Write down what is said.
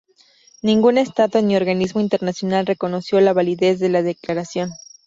Ningún estado ni organismo internacional reconoció la validez de la declaración.